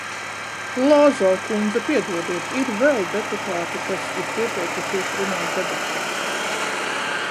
Lāzo kundze, piedodiet, ir vēl deputāti, kas ir pieteikušies runāt debatēs.